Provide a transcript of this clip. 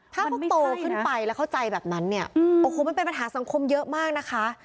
ถ้าเขาโตขึ้นไปแล้วเข้าใจแบบนั้นเนี่ยโอ้โหมันเป็นปัญหาสังคมเยอะมากนะคะ